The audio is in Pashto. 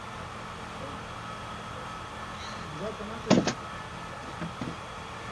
وګړي د افغانستان په اوږده تاریخ کې ذکر شوی دی.